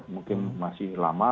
mungkin masih lama